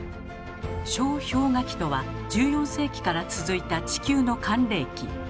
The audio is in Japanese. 小氷河期とは１４世紀から続いた地球の寒冷期。